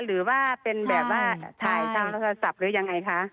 หรือว่าเป็นแบบว่าชายทางโทรศัพท์หรือยังไงคะ